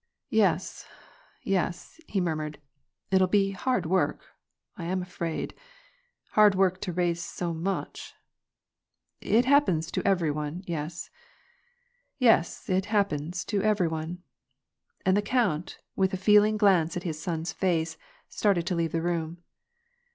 "Yes, yes," he murmured, " it'll be hard work, I am afraid ~ hard work to raise so much ; it happens to every one, yes, jes, it happens to every one." And the count, with a feeling glance at his son's face, started to leave the room.